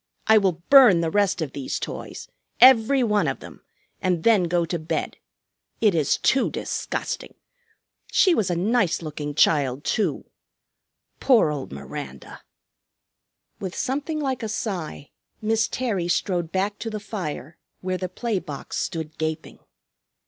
I will burn the rest of these toys, every one of them, and then go to bed. It is too disgusting! She was a nice looking child, too. Poor old Miranda!" With something like a sigh Miss Terry strode back to the fire, where the play box stood gaping.